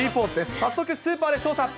早速、スーパーで調査。